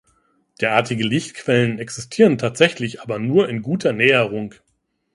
Derartige Lichtquellen existieren tatsächlich aber nur in guter Näherung.